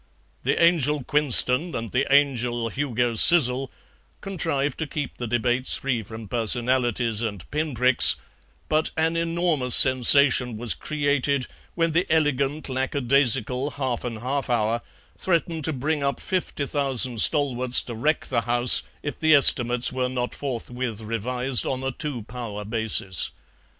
The Angel Quinston and the Angel Hugo Sizzle contrived to keep the debates free from personalities and pinpricks, but an enormous sensation was created when the elegant lackadaisical Halfan Halfour threatened to bring up fifty thousand stalwarts to wreck the House if the Estimates were not forthwith revised on a Two Power basis.